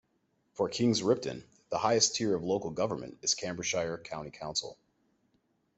For Kings Ripton the highest tier of local government is Cambridgeshire County Council.